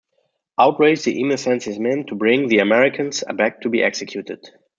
Outraged, the Emir sends his men to bring the Americans back to be executed.